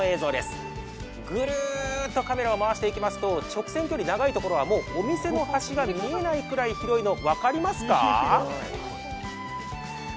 ぐるーっとカメラを回していきますと直線距離、長いところはもうお店の端が見えないくらい広いの、分かりますか？